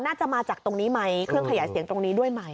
น่าจะมาจากตรงนี้ไหมเครื่องขยายเสียงตรงนี้ด้วยไหม